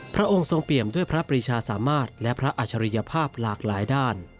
พระองค์ทรงเปี่ยมด้วยพระปริชาสามารถและพระอัจฉริยภาพหลากหลายด้าน